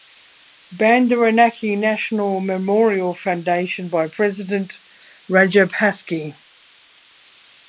Bandaranaike National Memorial Foundation by President Rajapakse.